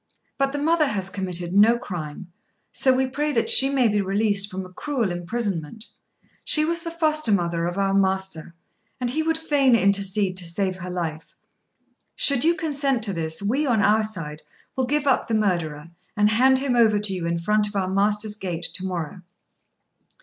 But the mother has committed no crime, so we pray that she may be released from a cruel imprisonment: she was the foster mother of our master, and he would fain intercede to save her life. Should you consent to this, we, on our side, will give up the murderer, and hand him over to you in front of our master's gate to morrow."